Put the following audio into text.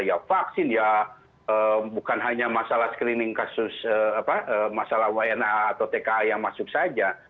ya vaksin ya bukan hanya masalah screening kasus masalah wna atau tka yang masuk saja